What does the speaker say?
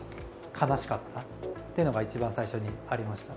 悲しかったっていうのが、一番最初にありました。